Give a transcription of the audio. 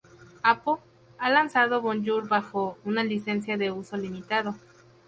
Apple ha lanzado Bonjour bajo una licencia de uso limitado.